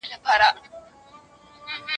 چي دا ولي اې د ستر خالق دښمنه